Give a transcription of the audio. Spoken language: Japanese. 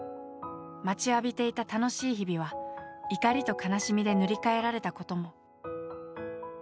待ちわびていた楽しい日々は怒りと悲しみで塗り替えられたことも。